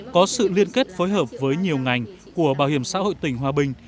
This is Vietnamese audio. có sự liên kết phối hợp với nhiều ngành của bảo hiểm xã hội tỉnh hòa bình